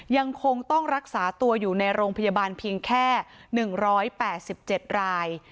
ยังคงต้องรักษาตัวอยู่ในโรงพยาบาลเพียงแค่๑๘๗ราย